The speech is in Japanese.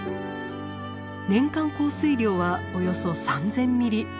年間降水量はおよそ３，０００ミリ。